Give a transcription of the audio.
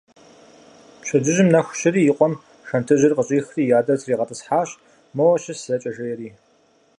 Пщэджыжьым нэху щыри и къуэм шэнтыжьыр къыщӀихри и адэр тригъэтӀысхьащ, моуэ щыс зэкӀэ жери.